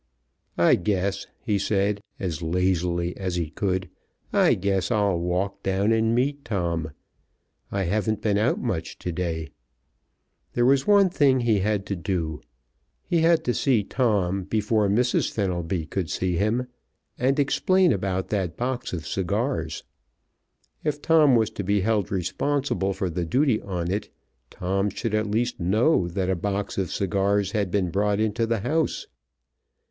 "I guess," he said as lazily as he could; "I guess I'll walk down and meet Tom. I haven't been out much to day." There was one thing he had to do. He had to see Tom before Mrs. Fenelby could see him, and explain about that box of cigars. If Tom was to be held responsible for the duty on it Tom should at least know that a box of cigars had been brought into the house.